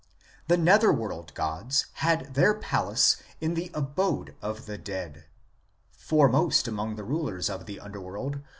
The netherworld gods had their palace in the abode of the dead. Foremost among the rulers of the underworld was 1 But see further, p.